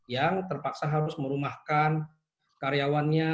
yang terpaksa harus merumahkan karyawannya